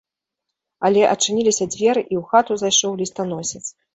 Але адчыніліся дзверы, і ў хату зайшоў лістаносец.